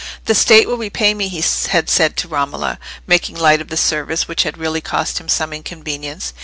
"The State will repay me," he had said to Romola, making light of the service, which had really cost him some inconvenience.